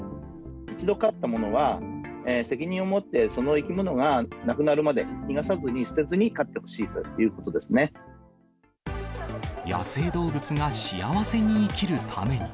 一度飼ったものは、責任を持ってその生き物が亡くなるまで、逃がさずに捨てずに飼っ野生動物が幸せに生きるために。